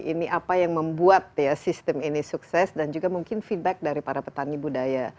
ini apa yang membuat sistem ini sukses dan juga mungkin feedback dari para petani budaya